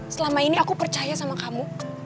selama ini aku percaya sama kamu